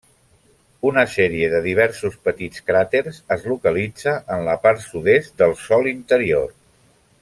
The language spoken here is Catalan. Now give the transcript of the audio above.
Una sèrie de diversos petits cràters es localitza en la part sud-est del sòl interior.